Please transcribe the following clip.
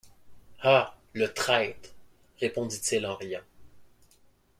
Ah! le traître, répondit-il en riant